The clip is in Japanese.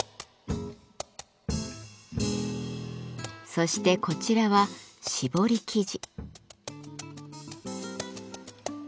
そしてこちらは絞り生地。